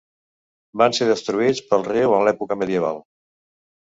Van ser destruïts pel riu en l'època medieval.